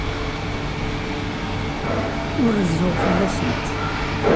Ur rezzuɣ fell-asent.